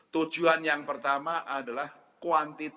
tujuan yang pertama adalah kuantitas